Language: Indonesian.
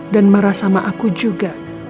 dan marah sama aku juga